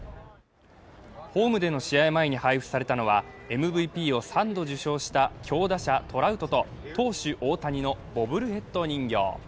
ホームでの試合前に配布されたのはＭＶＰを３度受賞した強打者・トラウトと投手・大谷のボブルヘッド人形。